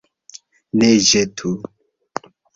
Ne ĵetu!